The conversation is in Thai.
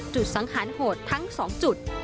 สังหารโหดทั้ง๒จุด